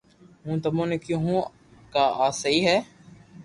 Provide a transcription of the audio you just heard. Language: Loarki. ھون تموني ڪيو ھون ڪا آ سھي ھي